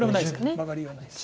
マガリがないです。